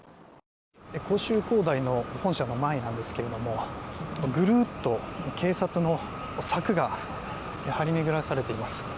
恒大の本社の前なんですけれどもぐるっと警察の柵が張り巡らされています。